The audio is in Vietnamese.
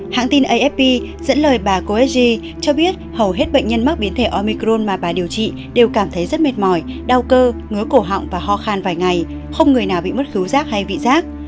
hãng tin afp dẫn lời bà coesg cho biết hầu hết bệnh nhân mắc biến thể omicron mà bà điều trị đều cảm thấy rất mệt mỏi đau cơ ngứa cổ họng và ho khan vài ngày không người nào bị mất cứu giác hay vị giác